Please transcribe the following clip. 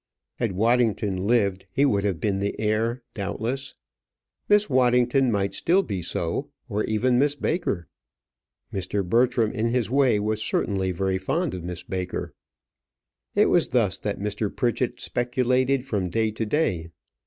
Had Waddington lived, he would have been the heir, doubtless. Miss Waddington might still be so, or even Miss Baker. Mr. Bertram, in his way, was certainly very fond of Miss Baker. It was thus that Mr. Pritchett speculated from day to day.